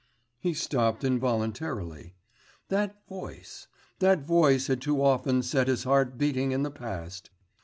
He stopped involuntarily. That voice ... that voice had too often set his heart beating in the past....